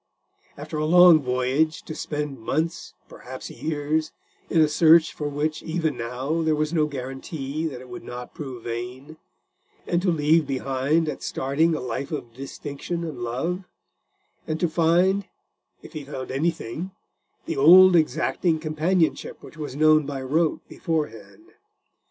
After a long voyage, to spend months, perhaps years, in a search for which even now there was no guarantee that it would not prove vain: and to leave behind at starting a life of distinction and love: and to find, if he found anything, the old exacting companionship which was known by rote beforehand.